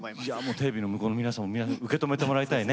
テレビの向こうの皆さんもみんな受け止めてもらいたいね。